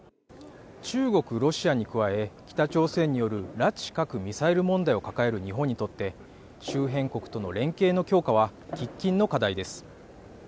中国、ロシアに加え北朝鮮による拉致核ミサイル問題を抱える日本にとって周辺国との連携の強化は喫緊の課題です